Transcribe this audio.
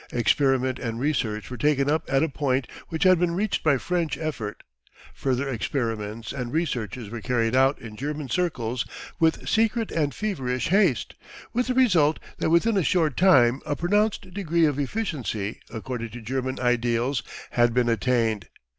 Experiment and research were taken up at a point which had been reached by French effort; further experiments and researches were carried out in German circles with secret and feverish haste, with the result that within a short time a pronounced degree of efficiency according to German ideals had been attained.